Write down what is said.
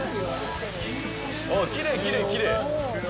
あっきれいきれいきれい。